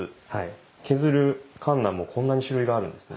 削るかんなもこんなに種類があるんですね。